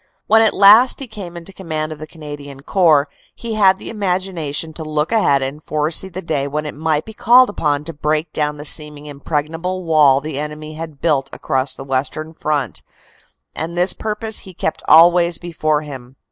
When at last he came into command of the Canadian Corps, he had the imagination to look ahead and foresee the day when it might be called upon to break down the seeming impregnable wall the enemy had built across the western front, and this purpose he kept always before him.